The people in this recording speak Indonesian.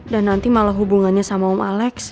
dan nanti malah hubungannya sama om alex